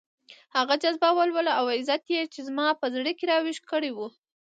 هغه جذبه، ولوله او عزت يې چې زما په زړه کې راويښ کړی وو.